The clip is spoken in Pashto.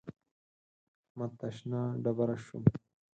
احمد ته شنه ډبره شوم.